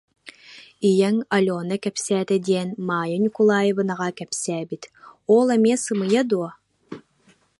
Ийэҥ Алена кэпсээтэ диэн Маайа Ньукулаайабынаҕа кэпсээбит, ол эмиэ сымыйа дуо